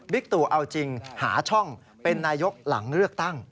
บิกตัวเอาจริงหาช่องเป็นนายกรัฐมนตร์หลังเลือกตั้ง